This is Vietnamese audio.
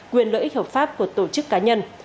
quyền lợi ích hợp pháp của tổ chức cá nhân